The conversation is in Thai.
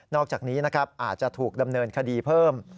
อกจากนี้นะครับอาจจะถูกดำเนินคดีเพิ่ม